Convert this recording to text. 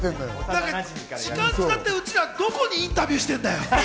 時間使って、うちらどこにインタビューしてんだよ。